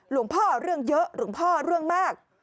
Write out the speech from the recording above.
เรื่องพ่อเรื่องเยอะหลวงพ่อเรื่องมาก